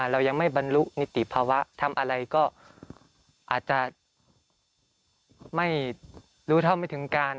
เรายังไม่บรรลุนิติภาวะทำอะไรก็อาจจะไม่รู้เท่าไม่ถึงการ